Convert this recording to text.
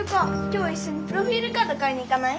今日いっしょにプロフィールカード買いに行かない？